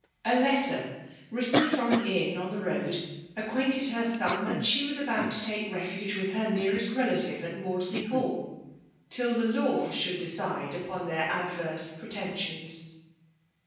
A letter, wriitten from an inn on the road, acquainted her son that she was about to take refuge with her nearest relative at Maudsley Hall, till the law diould decide upon their adverse pretensions.